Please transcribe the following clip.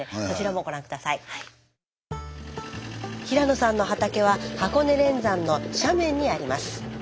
平野さんの畑は箱根連山の斜面にあります。